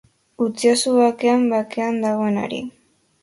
Utziozu bakean bakean dagoenari!